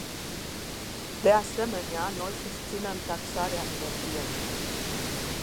De asemenea, noi susținem taxarea energiei.